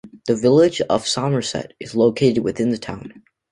The Village of Somerset is located within the town.